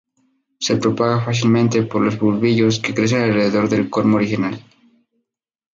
Se propaga fácilmente por los bulbillos que crecen alrededor del cormo original.